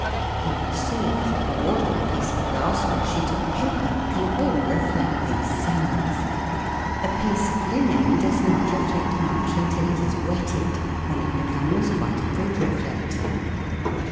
You will see that a board or a piece of glass or a sheet of paper can all reflect these sounds. A piece of linen does not reflect much until it is wetted, when it becomes quite a good reflector.